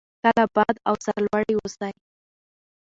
تل اباد او سرلوړي اوسئ.